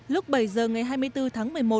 lúc bảy giờ ngày hai mươi bốn tháng một mươi một